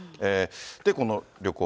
で、この旅行。